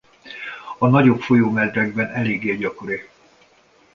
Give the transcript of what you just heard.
A nagyobb folyómedrekben eléggé gyakori.